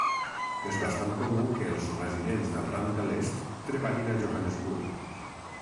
És bastant comú que els residents del Rand de l'Est treballin a Johannesburg.